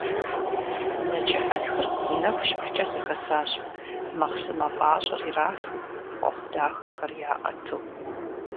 Нэчыхьытхыр нэху щыхукӏэ зэхэсащ, мэхъсымэ пӏащӏэр ирафу, хъуэхъу дахэхэр яӏэту.